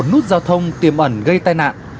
một mươi một nút giao thông tiềm ẩn gây tai nạn